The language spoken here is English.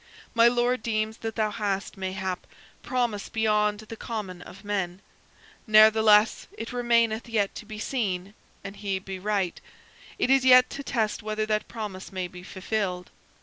My Lord deems that thou hast, mayhap, promise beyond the common of men; ne'theless it remaineth yet to be seen an he be right; it is yet to test whether that promise may be fulfilled.